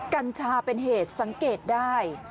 กัญชาเป็นเหตุสังเกตได้